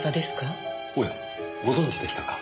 おやご存じでしたか。